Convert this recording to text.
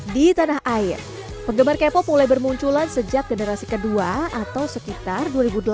di tanah air penggemar k pop mulai bermunculan sejak generasi kedua atau sekitar dua ribu delapan